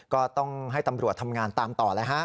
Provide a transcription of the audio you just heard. ก็ต้องให้ตำรวจทำงานตามต่อแล้วฮะ